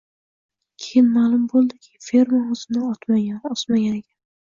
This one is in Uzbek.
Keyin ma’lum bo‘ldiki, ferma o‘zini otmagan, osmagan ekan…